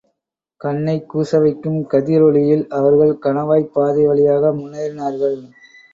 கண்ணைக் கூசவைக்கும் கதிரொளியில் அவர்கள் கணவாய்ப் பாதை வழியாக முன்னேறினார்கள்.